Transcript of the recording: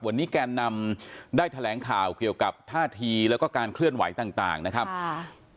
วันนี้แกนนำได้แถลงข่าวเกี่ยวกับท่าทีแล้วก็การเคลื่อนไหวต่างต่างนะครับค่ะ